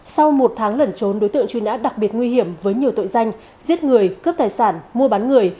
sau một tháng lẩn trốn đối tượng truy nã đặc biệt nguy hiểm với nhiều tội danh giết người cướp tài sản mua bán người